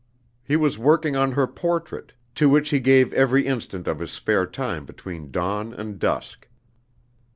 He was working on her portrait, to which he gave every instant of his spare time between dawn and dusk.